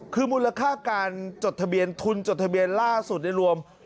คือมูลค่าการจดทะเบียนทุนจดทะเบียนล่าสุดได้รวม